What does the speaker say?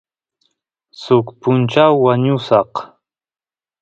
suk punchaw wañusaq